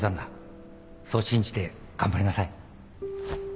そう信じて頑張りなさい。